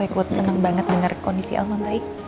aku senang banget dengar kondisi alman baik